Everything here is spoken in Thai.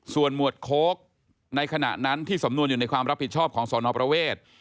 ส่วนหมวดโค้กในขณะนั้นที่สำนวนอยู่ในความรับผิดชอบของสนประเวท